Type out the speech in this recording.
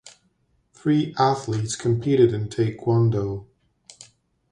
Three athletes competed in Taekwondo.